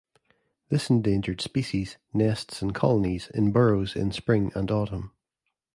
This endangered species nests in colonies in burrows in spring and autumn.